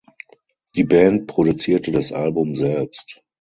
Die Band produzierte das Album selbst.